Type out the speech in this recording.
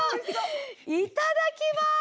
いただきます。